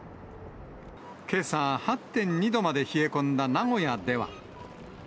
けさ８．２度まで冷え込んだ名古屋では。